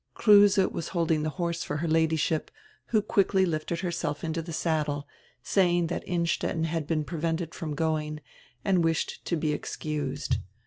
Kruse was holding die horse for her Ladyship, who quickly lifted herself into die saddle, saying diat Innstetten had been prevented from going and wished to be excused.